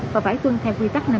và phải tuân theo quy tắc năm k